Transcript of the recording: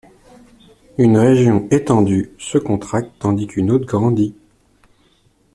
une région “étendue” se contracte tandis qu'une autre grandit.